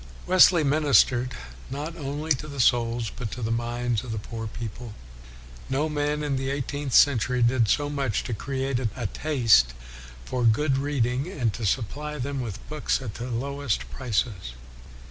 Wesley ministered not only to the souls but to the minds of the poor people. " No man in the eighteenth century did so much to create a taste for good reading, and to supply them with books at the lowest prices."